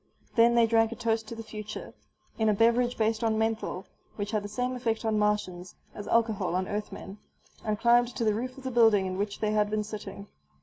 Then they drank a toast to the future in a beverage based on menthol, which had the same effect on Martians as alcohol on Earthmen and climbed to the roof of the building in which they had been sitting.